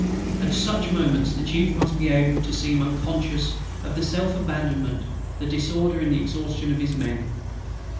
At such moments the chief must be able to seem unconscious of the self abandonment, the disorder and the exhaustion of his men.